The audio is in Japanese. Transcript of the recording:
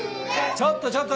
ちょっとちょっと。